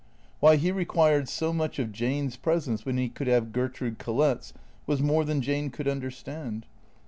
Why he required so much of Jane's pres ence when he could have Gertrude Collett's was more than Jane could understand.